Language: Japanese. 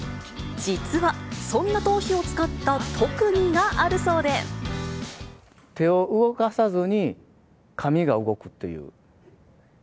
実は、そんな頭皮を使った特技が手を動かさずに、髪が動くという。